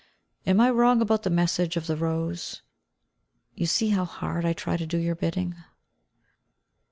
Am I wrong about the message of the rose? You see how hard I try to do your bidding.